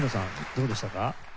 どうでしたか？